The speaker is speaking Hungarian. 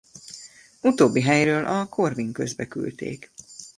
Utóbbi helyről a Corvin közbe küldték.